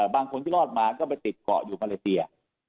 บางคนที่รอดมาก็ไปติดเกาะอยู่มาเลเซีย